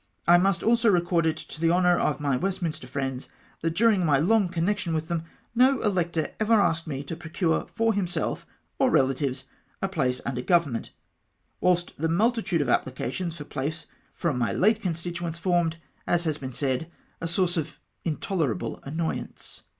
I must also record it, to the honour of my Westminster friends, that during my long con nection with them, no elector ever asked me to procure for himself or relatives a place under Government, Avhilst the multitude of applications for place fi om my late constituents formed, as has been said, a source of intolerable annoyance.